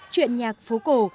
chuyện nhạc phố cổ